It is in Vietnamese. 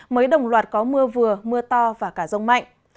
mới đồng loạt có mưa vừa mưa to và cả rông mạnh